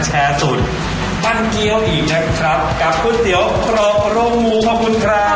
แชร์สูตรปั้นเกี้ยวอีกนะครับกับก๋วยเตี๋ยวกรอกโรงหมูขอบคุณครับ